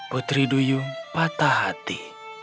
putri duyung patah hati